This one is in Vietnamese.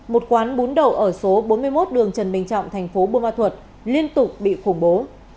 một quán bún đậu ở số bốn mươi một đường trần bình trọng thành phố burma thuật liên tục bị khủng bố